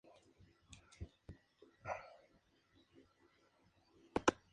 La elección del productor influye en la calidad del programa final.